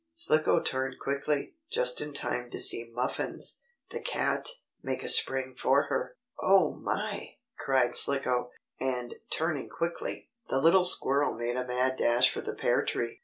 Slicko turned quickly, just in time to see Muffins, the cat, make a spring for her. "Oh my!" cried Slicko, and, turning quickly, the little squirrel made a mad dash for the pear tree.